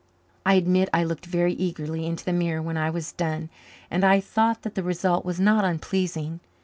I admit I looked very eagerly into the mirror when I was done, and I thought that the result was not unpleasing.